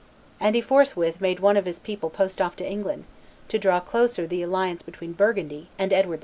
And he forthwith made one of his people post off to England, to draw closer the alliance between Burgundy and Edward IV.